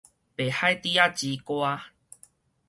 白海豬之歌